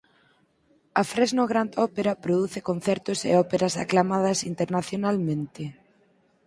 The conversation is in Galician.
A Fresno Grand Opera produce concertos e operas aclamadas internacionalmente.